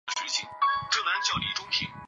前二项之未遂犯罚之。